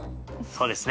そうですね！